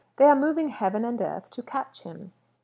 They are moving heaven and earth to catch him."